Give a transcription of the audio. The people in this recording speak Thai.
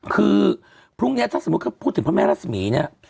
คือพรุ่งเนี้ยถ้าสมมุติเธอพูดถึงพระแม่ราษมีคร์